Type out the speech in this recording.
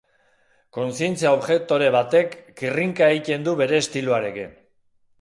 Kontzientziaobjektore batek kirrinka egiten du bere estiloarekin.